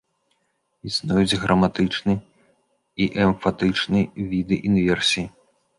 Існуюць граматычны і эмфатычны віды інверсіі.